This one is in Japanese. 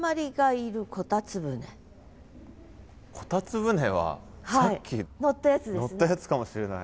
炬燵船はさっき乗ったやつかもしれない。